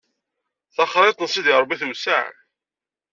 Taxriḍt n Sidi Rebbi tewseɛ.